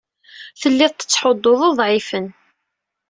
Telliḍ tettḥudduḍ uḍɛifen.